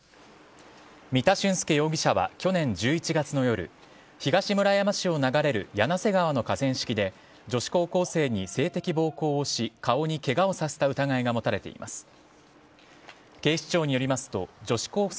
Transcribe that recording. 三田駿介容疑者は去年１１月の夜東村山市を流れる柳瀬川の河川敷で女子高校生に性的暴行をし顔にケガをさせた疑いが持たれています。